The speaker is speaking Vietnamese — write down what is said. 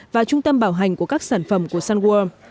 và trung tâm bảo hành của các sản phẩm của sunwood